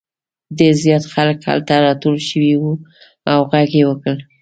ډېر زیات خلک هلته راټول شوي وو او غږ یې وکړ.